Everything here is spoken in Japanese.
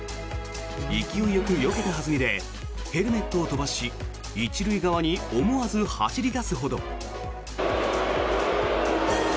勢いよくよけた弾みでヘルメットを外し１塁側に思わず走り出すほど。